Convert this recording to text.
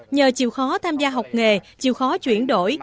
nhờ chịu khó tham gia học nghề chịu khó chuyển đổi